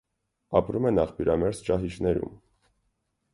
Ապրում են աղբյուրամերձ ճահիճներում։